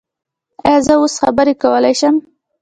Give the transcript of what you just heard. ایا زه اوس خبرې کولی شم؟